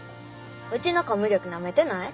うちのコミュ力なめてない？